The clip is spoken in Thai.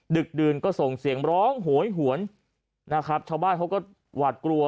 ดึกดื่นก็ส่งเสียงร้องโหยหวนนะครับชาวบ้านเขาก็หวาดกลัว